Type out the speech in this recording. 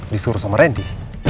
disuruh sama randy